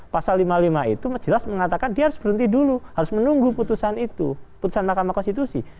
pasal lima puluh lima itu jelas mengatakan dia harus berhenti dulu harus menunggu putusan itu putusan mahkamah konstitusi